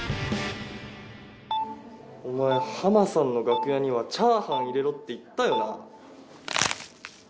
お前ハマさんの楽屋にはチャーハン入れろって言ったよな？